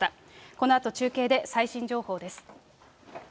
このあと中継で最新情報です。